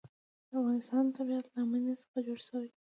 د افغانستان طبیعت له منی څخه جوړ شوی دی.